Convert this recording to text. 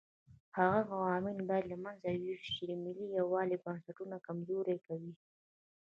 هغه عوامل باید له منځه یوسو چې د ملي یووالي بنسټونه کمزوري کوي.